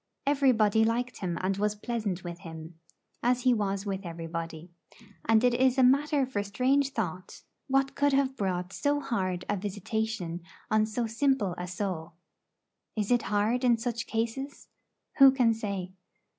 Everybody liked him and was pleasant with him, as he was with everybody; and it is a matter for strange thought, what could have brought so hard a visitation on so simple a soul. Is it hard in such cases? Who can say?